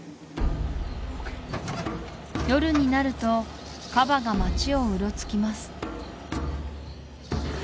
夜になるとカバが街をうろつきます